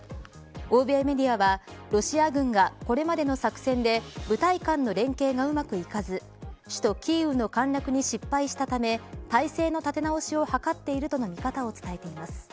欧米メディアはロシア軍が、これまでの作戦で部隊間の連携がうまくいかず首都キーウの陥落に失敗したため態勢の立て直しを図っているとの見方を伝えています。